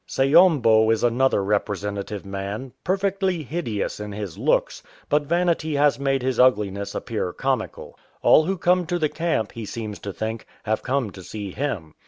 Saombo is another repre sentative man, perfectly hideous in his looks, but vanity has made his ugliness appear comical. All who come to the camp, he seems to think, have come to see him.